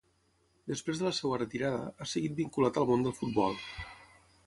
Després de la seua retirada, ha seguit vinculat al món del futbol.